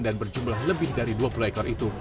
dan berjumlah lebih dari dua puluh ekor itu